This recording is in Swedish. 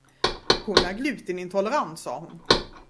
Hon är glutenintolerant, sade hon.